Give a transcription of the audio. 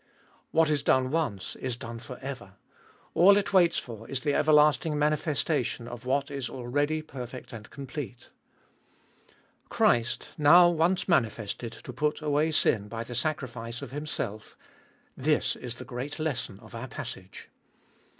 824 abe Dolieet of What is done once is done for ever : all it waits for is the ever lasting manifestation of what is already perfect and complete. Christ, now once manifested to put away sin byjthe sacri fice of Himself— this is the great lesson of our passage.